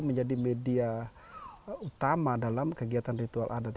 menjadi media utama dalam kegiatan ritual adat